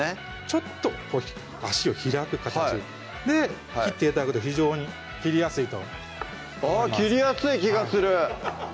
ちょっとこう脚を開く形で切って頂くと非常に切りやすいとあっ切りやすい気がする！